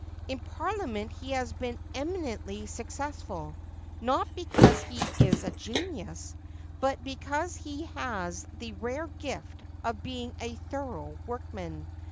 In Parliament he has been eminently successful ; not because he is a genius, but because he has the rare gift of being a thorough workman.